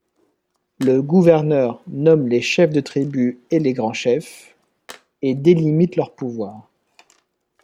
Le gouverneur nomme les chefs de tribu et les grands-chefs et délimite leurs pouvoirs.